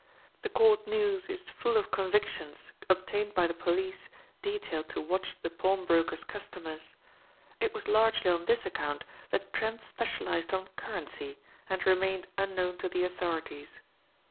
The court news is full of convictions obtained by the police detailed to watch the pawnbrokers' customers. It was largely on this account that Trent specialized on currency and remained unknown to the authorities.